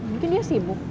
mungkin dia sibuk